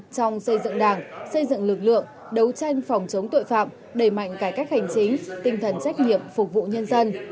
trong xây dựng đảng xây dựng lực lượng đấu tranh phòng chống tội phạm đẩy mạnh cải cách hành chính tinh thần trách nhiệm phục vụ nhân dân